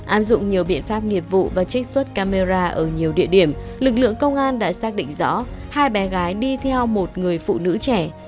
áp dụng nhiều biện pháp nghiệp vụ và trích xuất camera ở nhiều địa điểm lực lượng công an đã xác định rõ hai bé gái đi theo một người phụ nữ trẻ